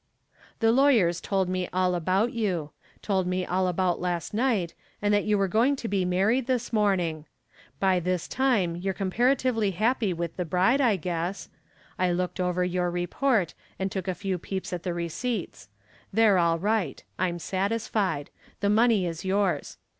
"The lawyers told me all about you. Told me all about last night, and that you were going to be married this morning. By this time you're comparatively happy with the bride, I guess. I looked over your report and took a few peeps at the receipts. They're all right. I'm satisfied. The money is yours.